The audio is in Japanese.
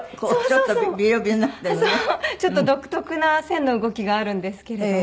そうちょっと独特な線の動きがあるんですけれども。